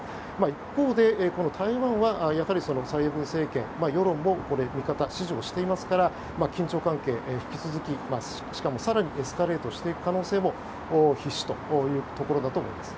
一方で台湾はやはり蔡英文政権世論も味方、支持していますから緊張関係は引き続き続きしかもエスカレートしていく可能性も必至というところだと思います。